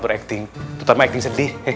ber acting terutama acting sedih